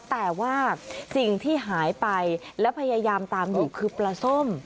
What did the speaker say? แต่ว่าสิ่งที่หายไปและพยายามตามอยู่คือปลาส้ม